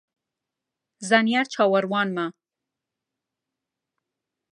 زانیار چاوەڕوانمە